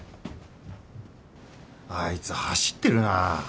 あいつ走ってるな。